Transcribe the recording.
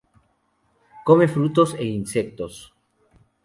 Come frutos e insectos.